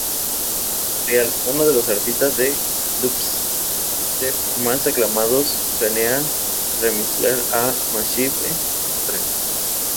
Burial, uno de los artistas de dubstep más aclamados, planea remezclar a Massive Attack.